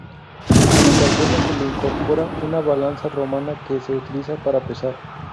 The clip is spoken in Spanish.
En ocasiones se le incorpora una balanza romana que se utiliza para pesar.